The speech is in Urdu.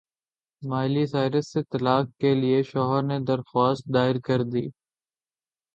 مائلی سائرس سے طلاق کے لیے شوہر نے درخواست دائر کردی